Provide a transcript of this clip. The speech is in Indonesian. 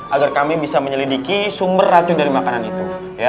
agar kami bisa menyelidiki sumber racun dari makanan itu